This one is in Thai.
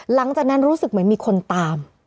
หลังจากนั้นรู้สึกเหมือนมีคนตาม